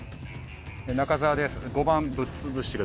中澤です。